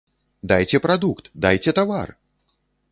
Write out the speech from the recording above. Дайце прадукт, дайце тавар!